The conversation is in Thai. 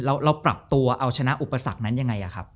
เราปรับตัวเอาชนะอุปสรรคนั้นยังไงครับ